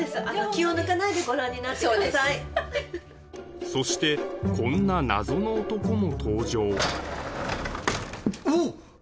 気を抜かないでご覧になってくださいそしてこんな謎の男も登場おおっ！